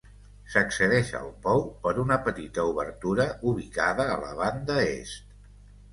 S'accedeix al pou per una petita obertura ubicada a la banda est.